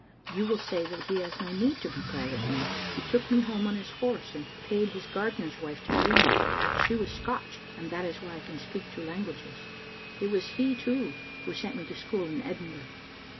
You will say that he has no need to be proud of me. He took me home on his horse, and paid his gardener's wife to rear me. She was Scotch, and that is why I can speak two languages. It was he, too, who sent me to school in Edinburgh."